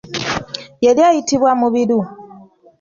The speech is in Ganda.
Yali ayitibwa Mubiru.